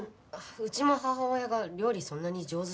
うちも母親が料理そんなに上手じゃなくて。